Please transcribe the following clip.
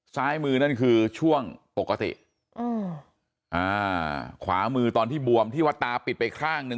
ซ้ายมือนั่นคือช่วงปกติอืมอ่าขวามือตอนที่บวมที่ว่าตาปิดไปข้างหนึ่ง